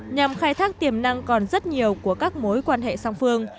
nhằm khai thác tiềm năng còn rất nhiều của các mối quan hệ song phương